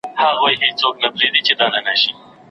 څنګه د مصر په بازار کي زلیخا ووینم